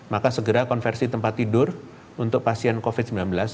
maka segera konversi tempat tidur untuk pasien covid sembilan belas